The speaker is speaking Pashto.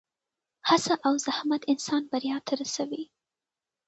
هڅه او زحمت انسان بریا ته رسوي.